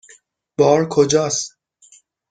بار کجاست؟